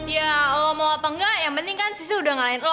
ya lo mau apa engga yang penting kan sisil udah ngalahin lo